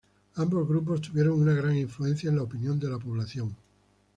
Ambos grupos tuvieron una gran influencia en la opinión de la población.